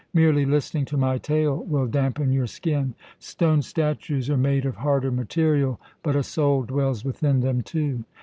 Merely listening to my tale will dampen your skin. Stone statues are made of harder material, but a soul dwells within them too.